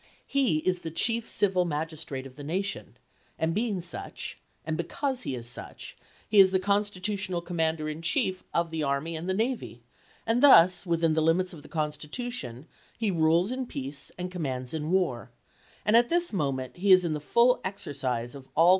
He is the chief civil magistrate of the nation, and being such, and because he is such, he is the Con stitutional commander in chief of the army and navy ; and thus, within the limits of the Constitu tion, he rules in peace and commands in war, and at this moment he is in the full exercise of all the July 5, 1861.